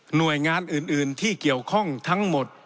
หน่วยงานอื่นที่เกี่ยวข้องทั้งหมด